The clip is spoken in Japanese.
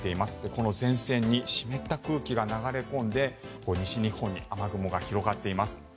この前線に湿った空気が流れ込んで西日本に雨雲が広がっています。